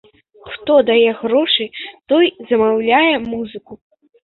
Хто дае грошы, той замаўляе музыку.